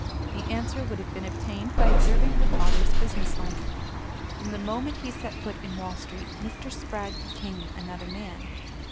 The answer would have been obtained by observing her father's business life. From the moment he set foot in Wall Street Mr. Spragg became another man.